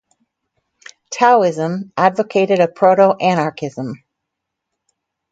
Taoism advocated a proto-anarchism.